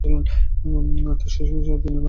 তার শৈশবেই তিনি তার মাকে হারান।